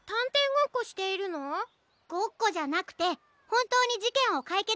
ごっこじゃなくてほんとうにじけんをかいけつしているところなの！